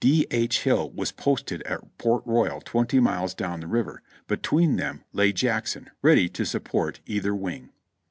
D. H. Hill was posted at Port Royal twenty miles down the river; between them lay Jackson, ready to support either v;ing.